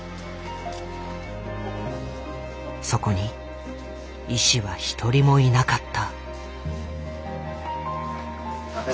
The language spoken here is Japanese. そこに医師は一人もいなかった。